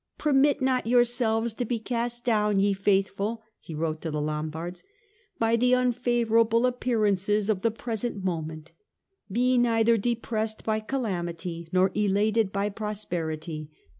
" Permit not yourselves to be cast down, ye faithful," he wrote to the Lombards, " by the unfavour able appearances of the present moment ; be neither depressed by calamity nor elated by prosperity.